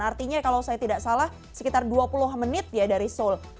artinya kalau saya tidak salah sekitar dua puluh menit ya dari seoul